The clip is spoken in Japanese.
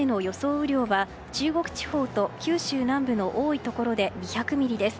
雨量は中国地方と九州南部の多いところで２００ミリです。